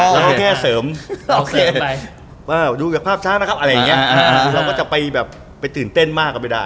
แล้วเขาแค่เสริมดูลิฟภาพช้านะครับเราก็จะไปตื่นเต้นมากกว่าไม่ได้